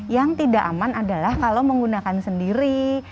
yang tidak aman adalah kalau menggunakan sendiri